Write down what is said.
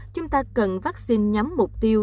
chúng ta cần vaccine nhắm mục tiêu